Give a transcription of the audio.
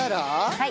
はい。